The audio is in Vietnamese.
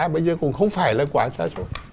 bây giờ cũng không phải là quá xa xôi